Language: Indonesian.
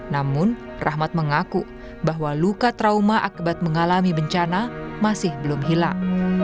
namun rahmat mengaku bahwa luka trauma akibat mengalami bencana masih belum hilang